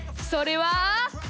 それは。